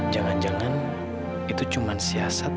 jangan jangan itu cuma siasat